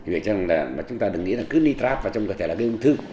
vậy chắc là chúng ta đừng nghĩ là cứ nitrat vào trong cơ thể là cái ung thư